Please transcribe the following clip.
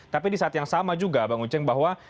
tapi di saat yang sama juga bang uceng bahwa